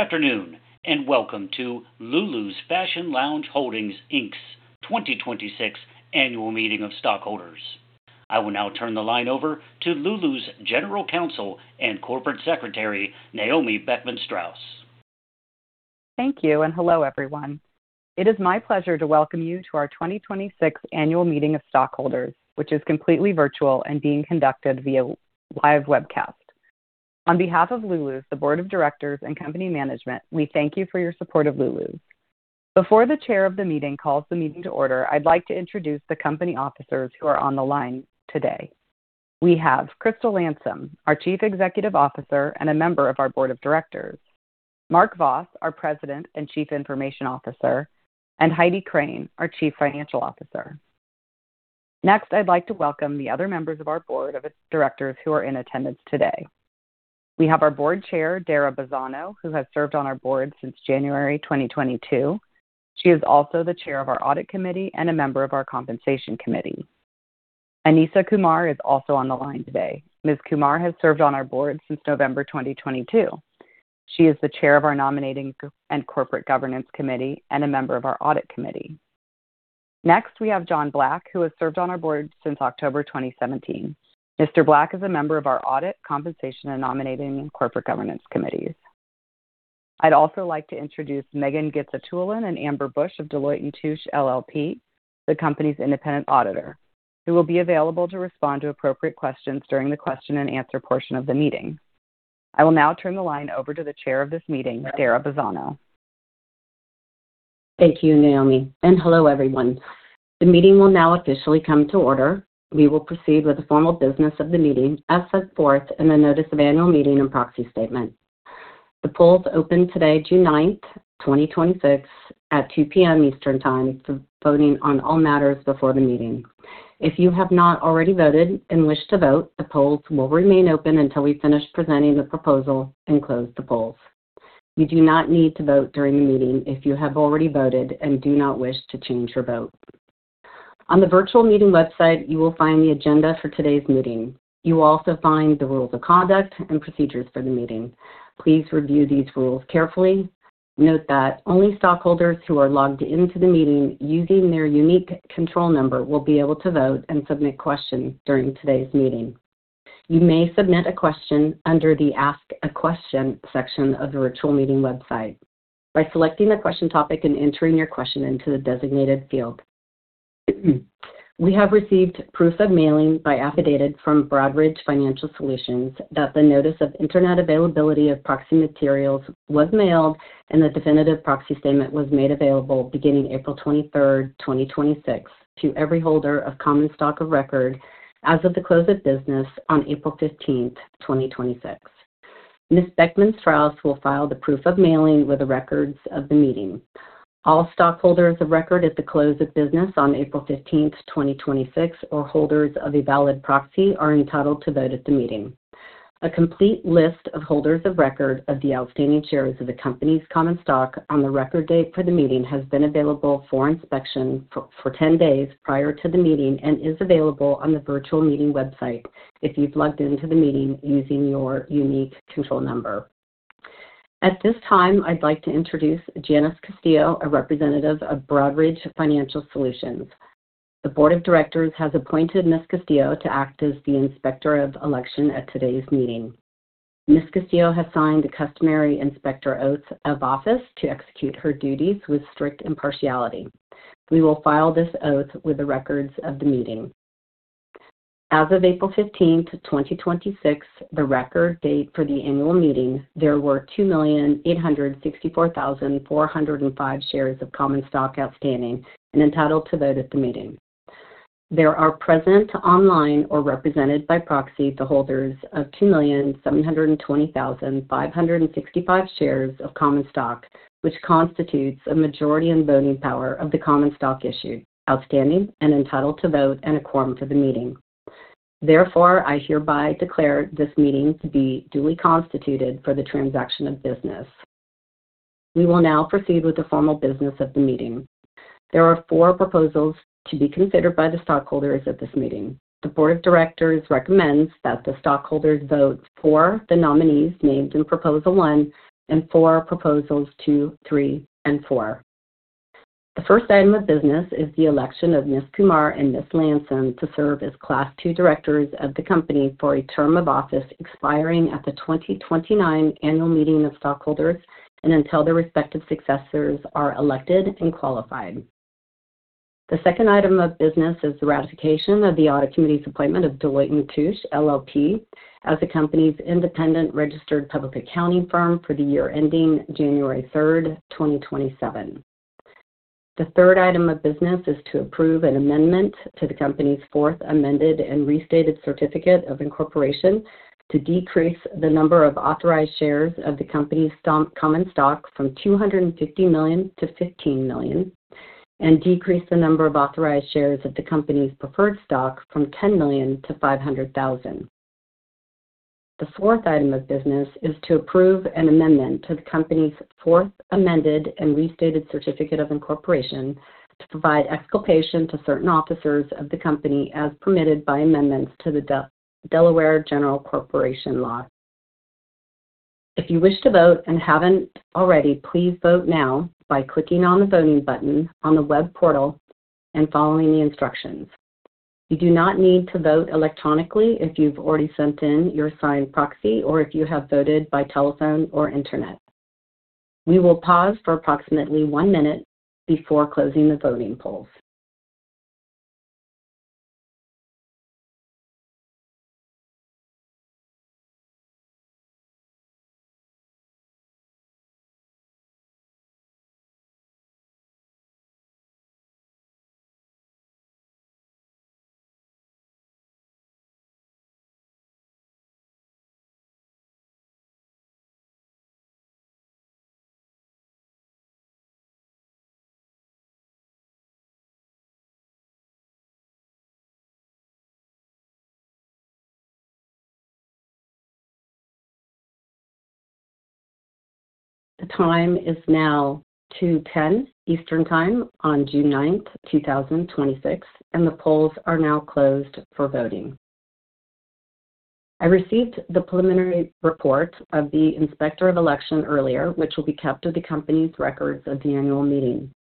Afternoon, welcome to Lulu's Fashion Lounge Holdings Inc.'s 2026 annual meeting of stockholders. I will now turn the line over to Lulu's General Counsel and Corporate Secretary, Naomi Beckman-Straus. Thank you, hello, everyone. It is my pleasure to welcome you to our 2026 annual meeting of stockholders, which is completely virtual and being conducted via live webcast. On behalf of Lulu, the board of directors, and company management, we thank you for your support of Lulu. Before the Chair of the meeting calls the meeting to order, I'd like to introduce the company officers who are on the line today. We have Crystal Landsem, our Chief Executive Officer, and a member of our board of directors; Mark Vos, our President and Chief Information Officer; and Heidi Crane, our Chief Financial Officer. Next, I'd like to welcome the other members of our board of directors who are in attendance today. We have our Board Chair, Dara Bazzano, who has served on our board since January 2022. She is also the Chair of our audit committee and a member of our compensation committee. Anisa Kumar is also on the line today. Ms. Kumar has served on our board since November 2022. She is the Chair of our nominating and corporate governance committee and a member of our audit committee. Next, we have John Black, who has served on our board since October 2017. Mr. Black is a member of our audit, compensation, and nominating corporate governance committees. I'd also like to introduce Megan Gizatullin and Amber Bush of Deloitte & Touche LLP, the company's independent auditor, who will be available to respond to appropriate questions during the question and answer portion of the meeting. I will now turn the line over to the Chair of this meeting, Dara Bazzano. Thank you, Naomi, hello, everyone. The meeting will now officially come to order. We will proceed with the formal business of the meeting as set forth in the notice of annual meeting and proxy statement. The polls opened today, June 9th, 2026, at 2:00 P.M. Eastern Time for voting on all matters before the meeting. If you have not already voted and wish to vote, the polls will remain open until we finish presenting the proposal and close the polls. You do not need to vote during the meeting if you have already voted and do not wish to change your vote. On the virtual meeting website, you will find the agenda for today's meeting. You will also find the rules of conduct and procedures for the meeting. Please review these rules carefully. Note that only stockholders who are logged into the meeting using their unique control number will be able to vote and submit questions during today's meeting. You may submit a question under the Ask a Question section of the virtual meeting website by selecting a question topic and entering your question into the designated field. We have received proof of mailing by affidavit from Broadridge Financial Solutions that the notice of internet availability of proxy materials was mailed and the definitive proxy statement was made available beginning April 23rd, 2026, to every holder of common stock of record as of the close of business on April 15th, 2026. Ms. Beckman-Straus will file the proof of mailing with the records of the meeting. All stockholders of record at the close of business on April 15th, 2026, or holders of a valid proxy, are entitled to vote at the meeting. A complete list of holders of record of the outstanding shares of the company's common stock on the record date for the meeting has been available for inspection for 10 days prior to the meeting and is available on the virtual meeting website if you've logged into the meeting using your unique control number. At this time, I'd like to introduce Janice Castillo, a representative of Broadridge Financial Solutions. The board of directors has appointed Ms. Castillo to act as the Inspector of Election at today's meeting. Ms. Castillo has signed the customary inspector oath of office to execute her duties with strict impartiality. We will file this oath with the records of the meeting. As of April 15th, 2026, the record date for the annual meeting, there were 2,864,405 shares of common stock outstanding and entitled to vote at the meeting. There are present online or represented by proxy the holders of 2,720,565 shares of common stock, which constitutes a majority in voting power of the common stock issued, outstanding, and entitled to vote, and a quorum for the meeting. Therefore, I hereby declare this meeting to be duly constituted for the transaction of business. We will now proceed with the formal business of the meeting. There are four proposals to be considered by the stockholders at this meeting. The board of directors recommends that the stockholders vote for the nominees named in proposal one and for proposals two, three, and four. The first item of business is the election of Ms. Kumar and Ms. Landsem to serve as Class II directors of the company for a term of office expiring at the 2029 annual meeting of stockholders and until their respective successors are elected and qualified. The second item of business is the ratification of the audit committee's appointment of Deloitte & Touche LLP as the company's independent registered public accounting firm for the year ending January 3rd, 2027. The third item of business is to approve an amendment to the company's fourth amended and restated certificate of incorporation to decrease the number of authorized shares of the company's common stock from 250 million to 15 million and decrease the number of authorized shares of the company's preferred stock from 10 million to 500,000. The fourth item of business is to approve an amendment to the company's fourth amended and restated certificate of incorporation to provide exculpation to certain officers of the company as permitted by amendments to the Delaware General Corporation Law. If you wish to vote and haven't already, please vote now by clicking on the voting button on the web portal and following the instructions. You do not need to vote electronically if you've already sent in your signed proxy or if you have voted by telephone or internet. We will pause for approximately one minute before closing the voting polls. The time is now 2:10 P.M. Eastern Time on June 9, 2026, and the polls are now closed for voting. I received the preliminary report of the Inspector of Election earlier, which will be kept with the company's records of the annual meeting.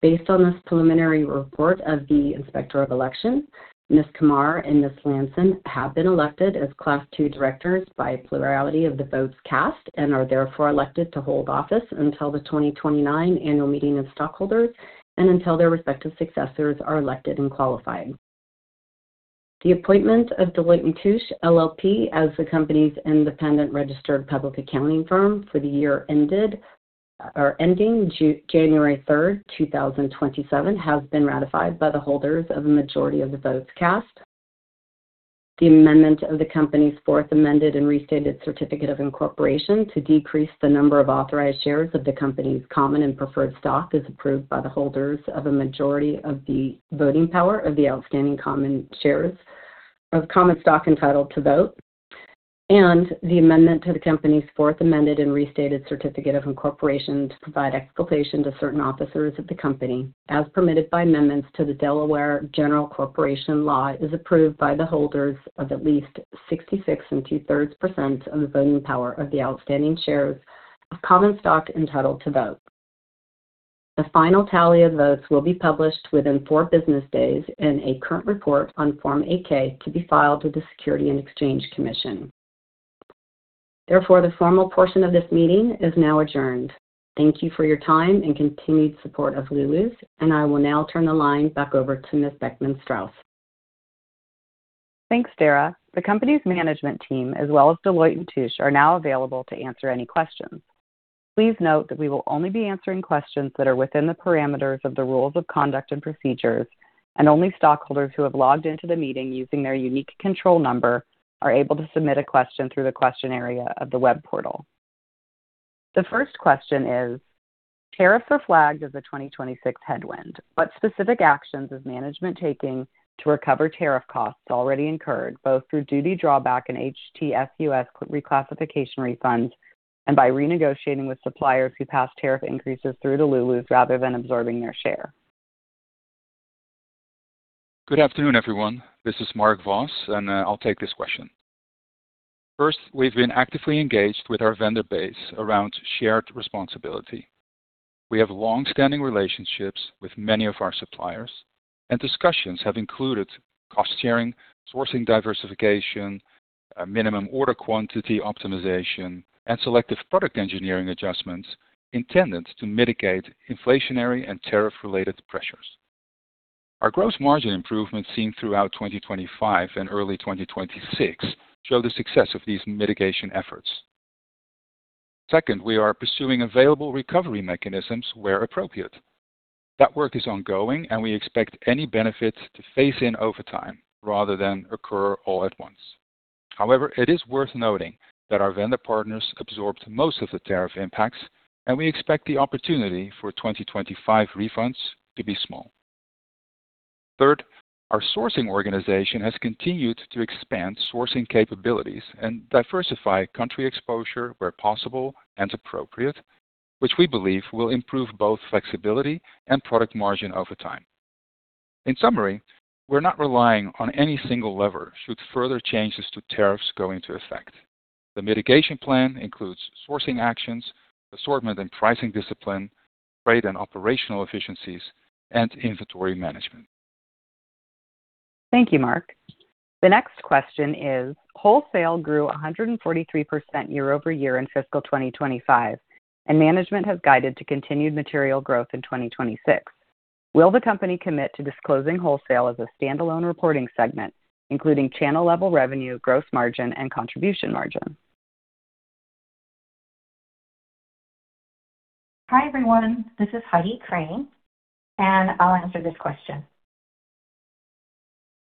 Based on this preliminary report of the Inspector of Election, Ms. Kumar and Ms. Landsem have been elected as class II directors by a plurality of the votes cast, and are therefore elected to hold office until the 2029 annual meeting of stockholders and until their respective successors are elected and qualified. The appointment of Deloitte & Touche LLP as the company's independent registered public accounting firm for the year ending January 3, 2027, has been ratified by the holders of a majority of the votes cast. The amendment of the company's fourth amended and restated certificate of incorporation to decrease the number of authorized shares of the company's common and preferred stock is approved by the holders of a majority of the voting power of the outstanding common shares of common stock entitled to vote. The amendment to the company's fourth amended and restated certificate of incorporation to provide exculpation to certain officers of the company, as permitted by amendments to the Delaware General Corporation Law, is approved by the holders of at least 66 and 2/3% of the voting power of the outstanding shares of common stock entitled to vote. The final tally of votes will be published within four business days in a current report on Form 8-K, to be filed with the Securities and Exchange Commission. The formal portion of this meeting is now adjourned. Thank you for your time and continued support of Lulu, I will now turn the line back over to Ms. Beckman-Straus. Thanks, Dara. The company's management team, as well as Deloitte & Touche, are now available to answer any questions. Please note that we will only be answering questions that are within the parameters of the rules of conduct and procedures, and only stockholders who have logged into the meeting using their unique control number are able to submit a question through the question area of the web portal. The first question is, "Tariffs are flagged as a 2026 headwind. What specific actions is management taking to recover tariff costs already incurred, both through duty drawback and HTSUS reclassification refunds, and by renegotiating with suppliers who pass tariff increases through to Lulu rather than absorbing their share? Good afternoon, everyone. This is Mark Vos. I'll take this question. First, we've been actively engaged with our vendor base around shared responsibility. We have long-standing relationships with many of our suppliers. Discussions have included cost sharing, sourcing diversification, minimum order quantity optimization, and selective product engineering adjustments intended to mitigate inflationary and tariff-related pressures. Our gross margin improvements seen throughout 2025 and early 2026 show the success of these mitigation efforts. Second, we are pursuing available recovery mechanisms where appropriate. That work is ongoing. We expect any benefits to phase in over time rather than occur all at once. However, it is worth noting that our vendor partners absorbed most of the tariff impacts. We expect the opportunity for 2025 refunds to be small. Third, our sourcing organization has continued to expand sourcing capabilities and diversify country exposure where possible and appropriate, which we believe will improve both flexibility and product margin over time. In summary, we're not relying on any single lever should further changes to tariffs go into effect. The mitigation plan includes sourcing actions, assortment and pricing discipline, freight and operational efficiencies, and inventory management. Thank you, Mark. The next question is: Wholesale grew 143% year-over-year in fiscal 2025. Management has guided to continued material growth in 2026. Will the company commit to disclosing wholesale as a standalone reporting segment, including channel-level revenue, gross margin, and contribution margin? Hi, everyone. This is Heidi Crane. I'll answer this question.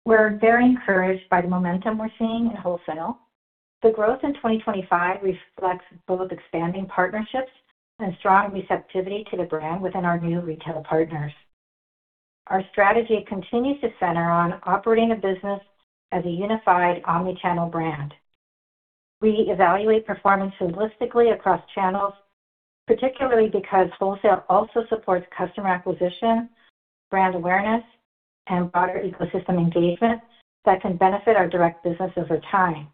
We're very encouraged by the momentum we're seeing in wholesale. The growth in 2025 reflects both expanding partnerships and strong receptivity to the brand within our new retail partners. Our strategy continues to center on operating a business as a unified omni-channel brand. We evaluate performance holistically across channels, particularly because wholesale also supports customer acquisition, brand awareness, and broader ecosystem engagement that can benefit our direct business over time.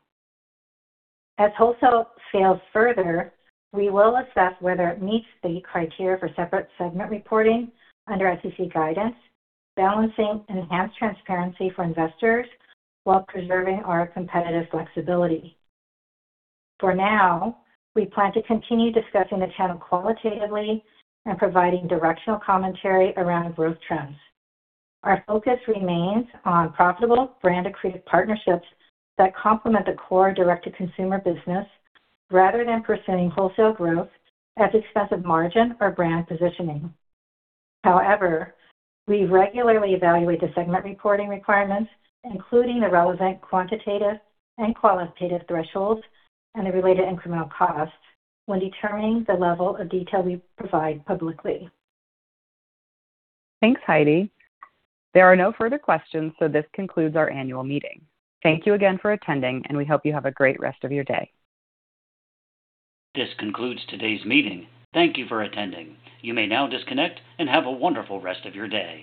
As wholesale scales further, we will assess whether it meets the criteria for separate segment reporting under SEC guidance, balancing enhanced transparency for investors while preserving our competitive flexibility. For now, we plan to continue discussing the channel qualitatively and providing directional commentary around growth trends. Our focus remains on profitable brand accretive partnerships that complement the core direct-to-consumer business rather than pursuing wholesale growth at the expense of margin or brand positioning. However, we regularly evaluate the segment reporting requirements, including the relevant quantitative and qualitative thresholds and the related incremental costs when determining the level of detail we provide publicly. Thanks, Heidi. There are no further questions. This concludes our annual meeting. Thank you again for attending. We hope you have a great rest of your day. This concludes today's meeting. Thank you for attending. You may now disconnect and have a wonderful rest of your day.